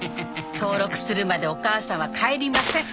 「登録するまでお母さんは帰りません！」